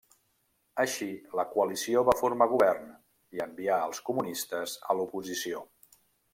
Així la coalició va formar govern i envià als comunistes a l'oposició.